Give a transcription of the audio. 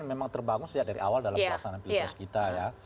memang terbangun sejak dari awal dalam pelaksanaan pilpres kita ya